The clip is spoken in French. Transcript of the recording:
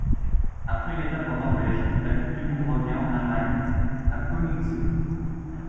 Après une étape en Norvège, la coupe du monde revient en Allemagne à Königssee.